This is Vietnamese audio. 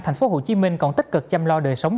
tp hcm còn tích cực chăm lo đời sống